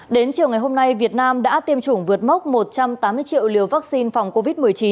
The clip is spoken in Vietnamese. đến chiều ngày hôm nay việt nam đã tiêm chủng vượt mốc một trăm tám mươi triệu liều vaccine phòng covid một mươi chín